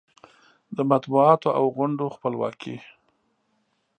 د مطبوعاتو او غونډو خپلواکي